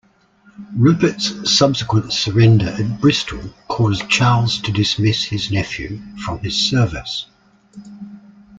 Rupert's subsequent surrender at Bristol caused Charles to dismiss his nephew from his service.